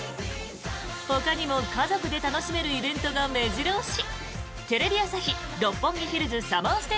ほかにも家族で楽しめるイベントが目白押し。